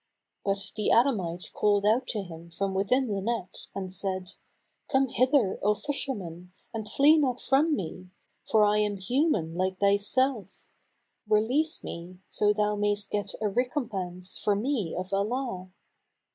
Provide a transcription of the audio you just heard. But the Adamite called out to him from within the net and said, "Come hither, O fisherman, and flee not from me; for I am human like thyself. Release me, so thou mayst get a recompense for me of Allah."